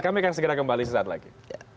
kami akan segera kembali sesaat lagi